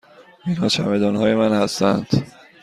اینها چمدان های من هستند.